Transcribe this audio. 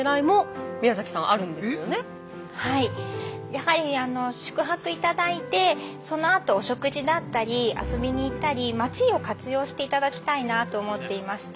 やはり宿泊頂いてそのあとお食事だったり遊びに行ったり街を活用して頂きたいなと思っていまして。